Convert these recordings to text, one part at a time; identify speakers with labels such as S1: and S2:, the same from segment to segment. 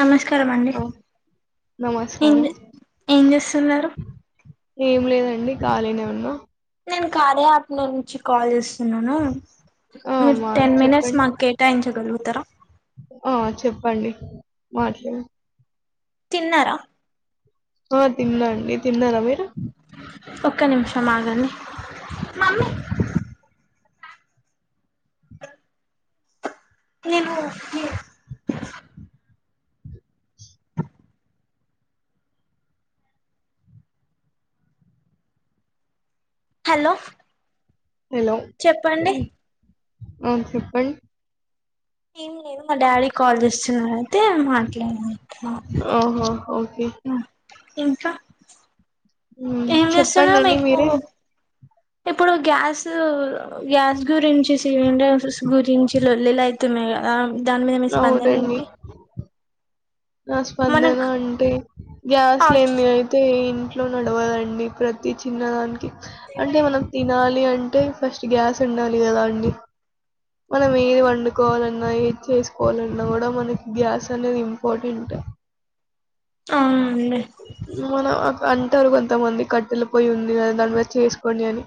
S1: నమస్కారం అండి
S2: ఆ
S1: ఏం
S2: నమస్కారం
S1: జే ఏం చేస్తున్నారు
S2: ఏం లేదండి ఖాలీని ఉన్నా
S1: నేను కార్య ఆప నుంచి కాల్ చేస్తాను నోనో
S2: ఆ
S1: మీ
S2: మా
S1: టెన్ మినిట్
S2: చెప్పండి
S1: మేక్ ఈటైమ్ వెలుగుతరా
S2: ఆ చెప్పండి మాట్లాడు
S1: తిన్నర
S2: ఆ తిన్నాండి తిన్నారా మీరు
S1: ఒక్క నిమిషం ఆగండి మమ్మీ ఏమో హలో
S2: హలో
S1: చెప్పండి
S2: ఆ చెప్పండి
S1: ఏ డాడీ కాలజస్ స త మాట్లా
S2: ఆహా ఓకే
S1: ఇంకా ఏం చేస్తున్నారు
S2: చెప్పండిండి
S1: మీకు
S2: మీరే
S1: ఇప్పుడు గ్యాస్ గ్యాస్ గురించి సిలిండర్స్ గురించి లొల్లిలువుతున్నాయి కదా దాని మీద మీ స్పందన
S2: అవునండి
S1: ఏంటి
S2: నా స్పందన
S1: మనకు
S2: అంటే
S1: కాస్ట్
S2: గ్యాస్లుంది అయితే ఇంట్లో నడవాలండి ప్రతి చిన్నదానికి అంటే మనం తినాలి అంటే ఫస్ట్ గ్యాస్ వండాలి కదా అండి మనం ఏది వండుకోవాలన్నా ఏది చేసుకోవాలన్నా కూడా మనకి గ్యాస్ అనేది బడి ఉంట
S1: ఆ
S2: మన అంటారు కొంతమంది కట్టెల పోయి ఉంది కదా దాని మీద చేసుకోడి అని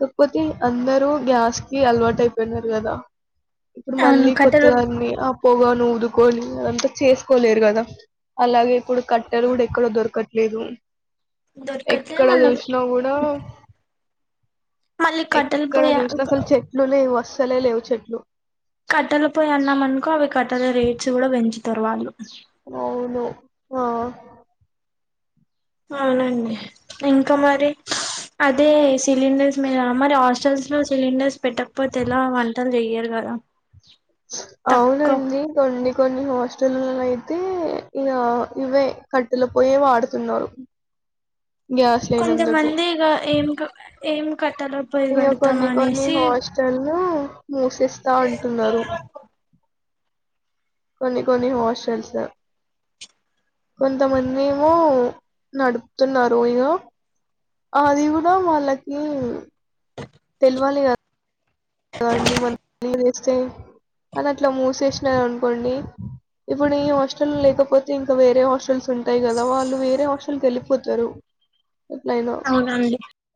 S2: కాకపోతే అందరుూ గ్యాస్ కి అలవాటు అయిపోయినారు కదా ఇప్పుడు
S1: అవును
S2: మళ్ళీ
S1: కట్టెలు
S2: కొత్తదాన్ని పొగొని ఊదుకొని అదంతా చేసుకోలేరు కదా అలాగే కుప్పుడు కట్టలు కూడా దొరకట్లేదు
S1: దొరకట్లేదు
S2: ఎక్కడ
S1: మళ్ళీ
S2: చూసినా కూడా
S1: మళ్ళీ కట్టెలు
S2: ఎక్కడ
S1: పొయ్యి
S2: చూసిన అసలు చెట్లునే వస్తు చలే లేవు చెట్లు
S1: కట్టెల పోయి అన్నాము అనుకో అవి కట్టెల రేట్స్ కూడా పెంచుతారు వాళ్ళు
S2: అవును ఆ
S1: అవునండి ఇంకా మరి అదే సిలిండర్స్ మీద మరి హాస్టల్స్ లో సిలిండర్స్ పెట్టకపోతే ఎలా వంటలు చెయ్యరు కదా తక్కువ
S2: అవునండి దండ కొన్ని హాస్టల్లో అయితే ఇ ఇవే కట్టెల పోయే వాడుతున్నారు గ్యాస్
S1: కొంతమంది ఇక ఏం ఏం కట్టెల పొయ్యి
S2: ఇక
S1: పెడతాం
S2: కొన్ని కొన్ని
S1: అనేసి
S2: హాస్టల్ ను మూసేస్తా అంటున్నారు కొన్ని కొన్ని హాస్టల్స్ కొంతమంది ఏమో నడుపుతున్నారు ఇకో అది కూడా వాళ్ళకి తెలివాలి కదా [unintelligible] వస్తే అది అట్లా మూసేసినారు అనుకోండి, ఇప్పుడు ఈ హాస్టల్ లేకపోతే ఇంకా వేరే హాస్టల్స్ ఉంటాయి కదా, వాళ్ళు వేరే హాస్టల్ క వెళ్ళిపోతారు
S1: అవునండి